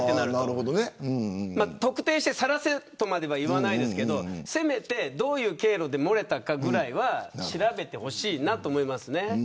特定してさらせとまでは言わないですけどせめて、どういう経路で漏れたかぐらいは調べてほしいと思います。